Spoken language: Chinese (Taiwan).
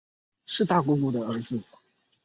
是大姑姑的兒子